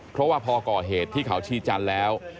เพราะว่าพอก่อเหตุที่เขาชีจันทร์แล้ว